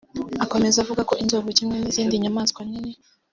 Akomeza avuga ko inzovu kimwe n’izindi nyamaswa nini